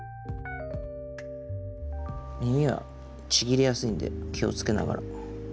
耳はちぎれやすいんで気をつけながら。